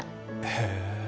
へえ